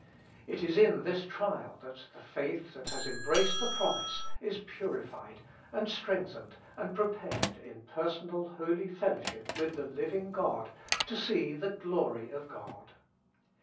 It is in this trial that the faith that has embraced the promise is purified and strengthened and prepared in personal holy fellowship with the living God to see the glory of God.